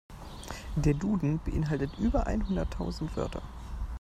Der Duden beeinhaltet über einhunderttausend Wörter.